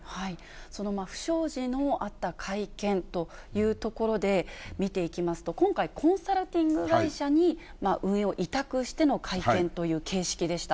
その不祥事のあった会見というところで見ていきますと、今回、コンサルティング会社に運営を委託しての会見という形式でした。